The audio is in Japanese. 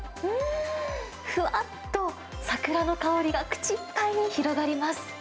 うーん、ふわっと、桜の香りが口いっぱいに広がります。